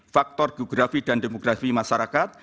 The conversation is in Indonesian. faktor geografi dan demografi masyarakat